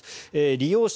利用者